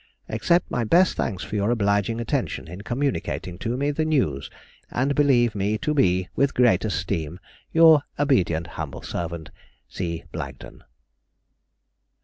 Accept my best thanks for your obliging attention in communicating to me the news, and believe me to be, with great esteem, Your obedient, humble servant, C. BLAGDEN.